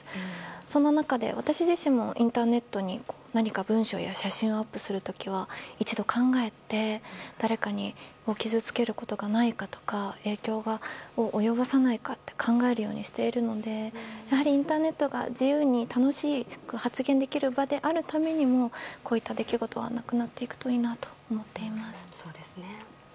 その中で、私自身もインターネットに何か文章や写真をアップする時は一度考えて誰かを傷つけることがないかとか影響を及ぼさないかって考えるようにしているのでやはりインターネットが自由に楽しく発言できる場であるためにもこういった出来事はなくなっていくといいなと思っています。